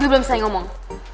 gue belum selesai ngomong